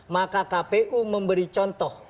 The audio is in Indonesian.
maka kpu memberi contoh